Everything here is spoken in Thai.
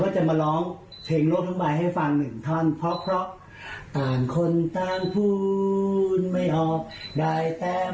อย่างไรให้รู้ไว้วันโลกทั้งใบ